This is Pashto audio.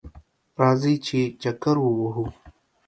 راځئ چه چکر ووهو